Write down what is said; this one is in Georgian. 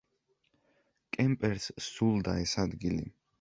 კემპერს სძულდა ეს ადგილი.